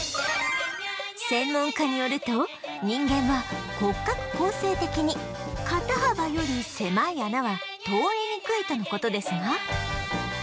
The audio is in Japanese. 専門家によると人間は骨格構成的に肩幅より狭い穴は通りにくいとの事ですが